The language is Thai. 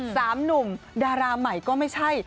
สามหนุ่มดาราใหม่ก็ไม่ใช่